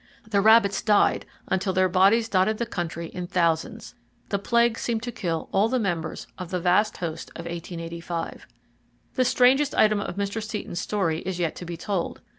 The rabbits died until their bodies dotted the country in thousands. The plague seemed to kill all the members of the vast host of 1885." The strangest item of Mr. Seton's story is yet to be told.